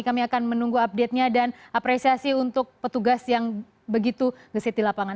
kami akan menunggu update nya dan apresiasi untuk petugas yang begitu gesit di lapangan